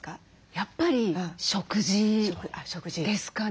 やっぱり食事ですかね。